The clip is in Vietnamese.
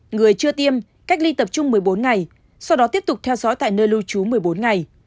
người chưa tiêm cách ly tập trung một mươi bốn ngày sau đó tiếp tục theo dõi tại nơi lưu trú một mươi bốn ngày